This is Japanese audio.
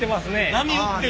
波打ってる。